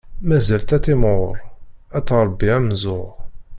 Mazal-tt ad timɣur, ad tṛebbi amzur.